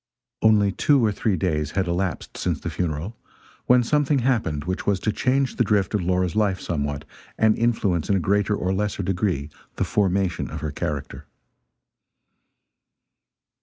Only two or three days had elapsed since the funeral, when something happened which was to change the drift of Laura's life somewhat, and influence in a greater or lesser degree the formation of her character.